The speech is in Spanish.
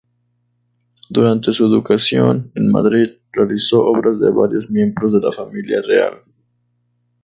Durante su educación en Madrid, realizó obras de varios miembros de la Familia Real.